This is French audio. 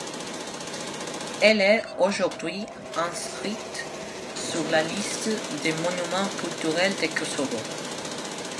Elle est aujourd'hui inscrite sur la liste des monuments culturels du Kosovo.